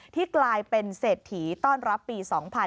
ที่กลายเป็นเศรษฐีต้อนรับปี๒๕๕๙